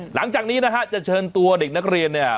หลังจากนี้นะฮะจะเชิญตัวเด็กนักเรียนเนี่ย